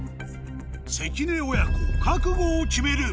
関根親子覚悟を決める